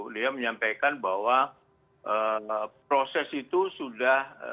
dia menyampaikan bahwa proses itu sudah melaksanakan